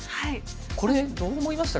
これどう思いました？